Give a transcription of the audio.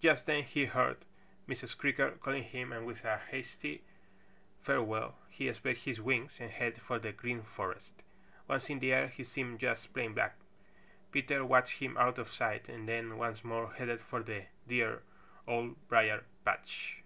Just then he heard Mrs. Creaker calling him and with a hasty farewell he spread his wings and headed for the Green Forest. Once in the air he seemed just plain black. Peter watched him out of sight and then once more headed for the dear Old Briar patch.